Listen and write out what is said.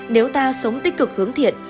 nếu ta sống tích cực hướng thiện